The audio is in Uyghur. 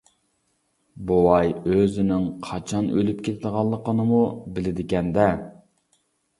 بوۋاي ئۆزىنىڭ قاچان ئۆلۈپ كېتىدىغانلىقىنىمۇ بىلىدىكەن-دە!